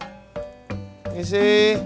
tuh di sini